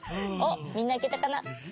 おっみんないけたかな？